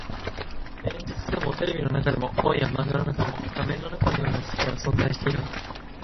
現実でも、テレビの中でも、本や漫画の中でも、画面の中のような世界は存在していなかった